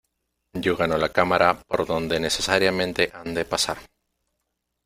yo gano la cámara por donde necesariamente han de pasar.